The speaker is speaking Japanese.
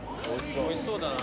おいしそうだな。